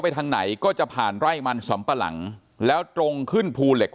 ทางไหนก็จะผ่านไร่มันสำปะหลังแล้วตรงขึ้นภูเหล็ก